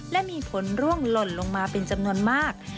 และมีผลร่วงหล่นลงมาเป็นจำนวนมาก